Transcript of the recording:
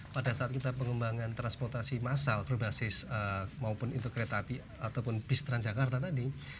pada saat kita pengembangan transportasi massal berbasis maupun itu kereta api ataupun bis transjakarta tadi